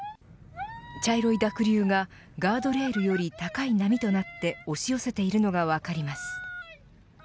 茶色い濁流が、ガードレールより高い波となって押し寄せているのが分かります。